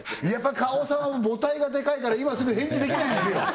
花王さんは母体がデカいから今すぐ返事できないんですよ